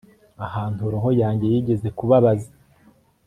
Ahantu roho yanjye yigeze kubabaza